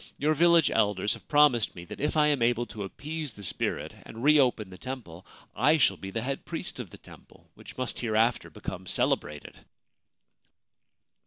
Your village elders have promised me that if I am able to appease the spirit and reopen the temple I shall be the head priest of the temple, which must hereafter become celebrated.'